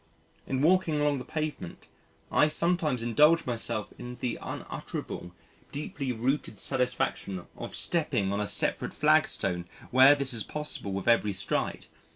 In walking along the pavement, I sometimes indulge myself in the unutterable, deeply rooted satisfaction of stepping on a separate flagstone where this is possible with every stride.